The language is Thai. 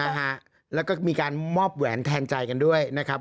นะฮะแล้วก็มีการมอบแหวนแทนใจกันด้วยนะครับ